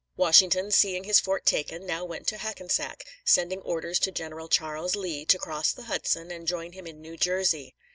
Washington, seeing his fort taken, now went to Hack´en sack, sending orders to General Charles Lee to cross the Hudson and join him in New Jersey.